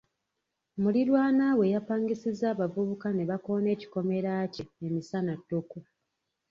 Muliraanwa we yapangisizza abavubuka ne bakoona ekikomera kye emisana ttuku.